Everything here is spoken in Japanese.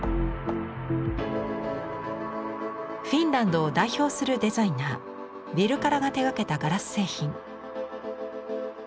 フィンランドを代表するデザイナーヴィルカラが手がけたガラス製品。